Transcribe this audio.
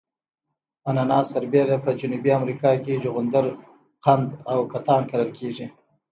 اناناس سربېره په جنوبي امریکا کې جغندر قند او کتان کرل کیږي.